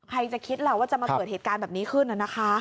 จะคิดล่ะว่าจะมาเกิดเหตุการณ์แบบนี้ขึ้นนะคะ